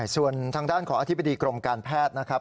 ส่วนทางด้านของอธิบดีกรมการแพทย์นะครับ